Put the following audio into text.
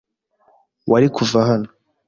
Wari kuva hano?